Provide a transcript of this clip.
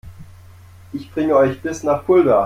Ich bringe euch bis nach Fulda